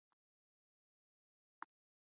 邱进益早年毕业于国立政治大学外交系。